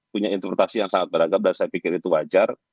jadi itu adalah interpretasi yang sangat beragam dan saya pikir itu wajar